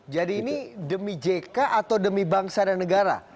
jadi ini demi jk atau demi bangsa dan negara